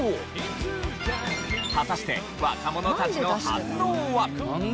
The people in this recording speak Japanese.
果たして若者たちの反応は？